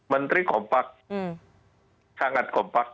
menteri kompak sangat kompak